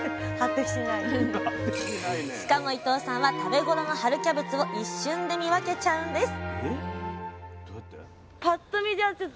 しかも伊藤さんは食べ頃の春キャベツを一瞬で見分けちゃうんです